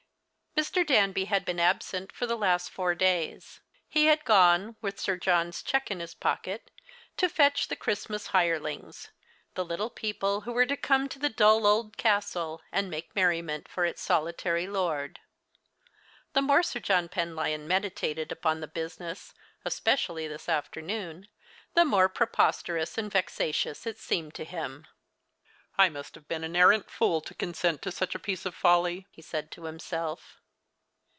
Mr. Danby had been absent for the last four days. He had gone, with 8ir John's cheque in his pocket, to fetch the Christmas hirelings ; the little people who were to come to the dull old castle and make merri ment for its solitary lord. The more Sir John Penlyon meditated upon the business, especially this afternoon, the more preposterous and vexatious it seemed to him. " I must have been an arrant fool to consent to such a piece of folly," he said to himself.